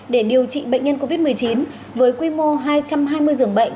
để điều trị bệnh nhân covid một mươi chín với quy mô hai trăm hai mươi dường bệnh